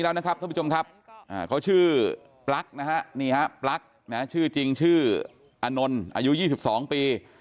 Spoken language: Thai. อ่าเขาชื่อปลั๊กนะฮะนี่ฮะปลั๊กนะชื่อจริงชื่ออนนท์อายุ๒๒ปี